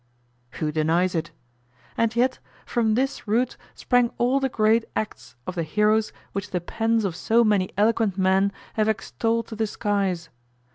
Who denies it? And yet from this root sprang all the great acts of the heroes which the pens of so many eloquent men have extolled to the skies.